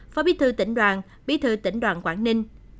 phó bí thư tỉnh đoàn bí thư tỉnh đoàn quảng ninh